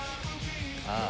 ああ。